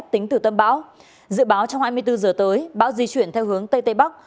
tâm bão dự báo trong hai mươi bốn giờ tới bão di chuyển theo hướng tây tây bắc